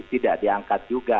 tidak diangkat juga